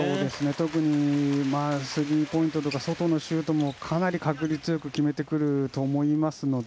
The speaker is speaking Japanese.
特にスリーポイントとか外のシュートもかなり確率よく決めてくると思いますので。